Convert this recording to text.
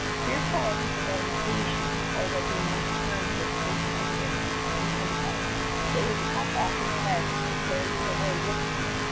Fear ful of his identification, or that he might turn state's evidence to save himself, they had cut off his head and carried it away with them.